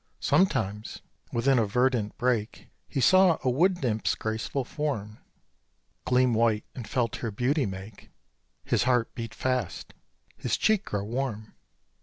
Sometimes, within a verdant brake, He saw a wood nymph's graceful form Gleam white, and felt her beauty make His heart beat fast, his cheek grow warm.